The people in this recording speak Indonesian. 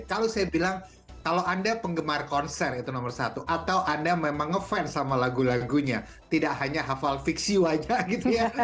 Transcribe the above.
kalau saya bilang kalau anda penggemar konser itu nomor satu atau anda memang ngefans sama lagu lagunya tidak hanya hafal fiksi wajah gitu ya